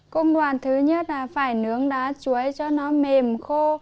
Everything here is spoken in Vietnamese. công đoàn thứ nhất là phải nướng đá chuối cho nó mềm khô